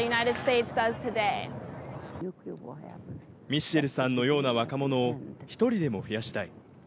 ミッシェルさんのような若者を一人でも増やしたい。